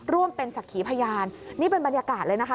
ร่วมเป็นศักดิ์ขีพยานนี่เป็นบรรยากาศเลยนะคะ